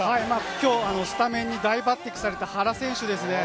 きょうスタメンに大抜てきされた原選手ですね。